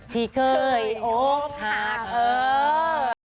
ที่เคยโอ้มหาเธอ